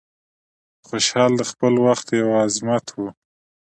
خوشحال د خپل وخت یو عظمت و.